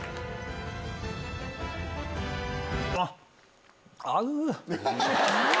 あっ、合うー。